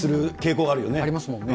ありますもんね。